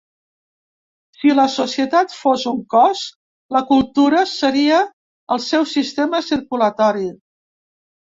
Si la societat fos un cos, la cultura seria el seu sistema circulatori.